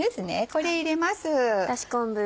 これ入れます。